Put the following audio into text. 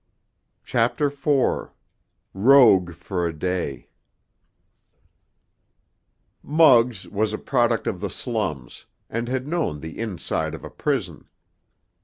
CHAPTER IV—ROGUE FOR A DAY Muggs was a product of the slums, and had known the inside of a prison.